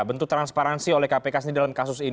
bentuk transparansi oleh kpk sendiri adalah apa